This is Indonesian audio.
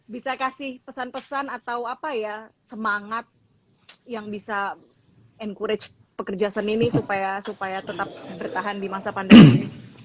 bisa kasih pesan pesan atau apa ya semangat yang bisa encourage pekerja seni ini supaya tetap bertahan di masa pandemi ini